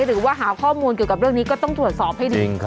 หรือว่าหาข้อมูลเกี่ยวกับเรื่องนี้ก็ต้องตรวจสอบให้ดี